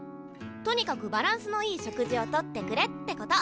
とにかくバランスのいい食事をとってくれってこと。